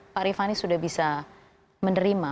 pak rifani sudah bisa menerima